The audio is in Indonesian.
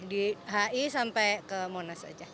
di hi sampai ke monas saja